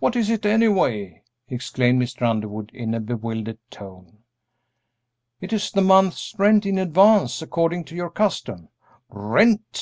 What is it, anyway?" exclaimed Mr. Underwood, in a bewildered tone. "It is the month's rent in advance, according to your custom." "Rent!"